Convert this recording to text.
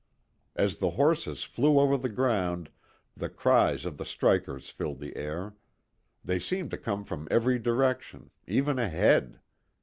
As the horses flew over the ground the cries of the strikers filled the air. They seemed to come from every direction, even ahead.